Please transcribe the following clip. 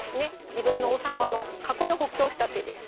自分の王様の囲いを補強した手です。